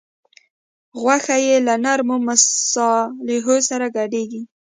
غوښه یې له نرمو مصالحو سره ګډیږي.